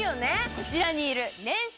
こちらにいる年商